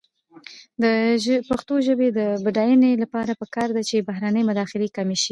د پښتو ژبې د بډاینې لپاره پکار ده چې بهرنۍ مداخلې کمې شي.